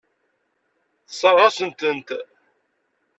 Tessṛeɣ-as-tent.